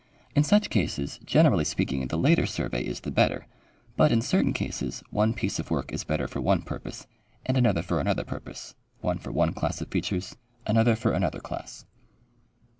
In such cases, generally speaking, the later survey is the better, but in certain cases one piece of work is better for one purpose, and another for another purpose ; one for one class of features, another for another class.